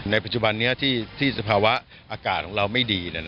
ปัจจุบันนี้ที่สภาวะอากาศของเราไม่ดี